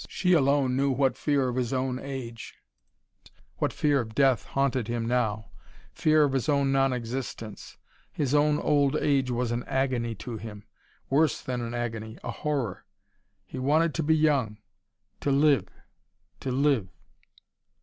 She alone knew what fear of his own age, what fear of death haunted him now: fear of his own non existence. His own old age was an agony to him; worse than an agony, a horror. He wanted to be young to live, to live.